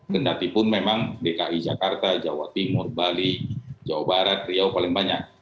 kendatipun memang dki jakarta jawa timur bali jawa barat riau paling banyak